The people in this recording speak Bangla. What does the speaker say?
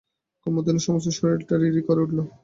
কুমুদিনীর সমস্ত শরীরটা রী রী করে উঠল।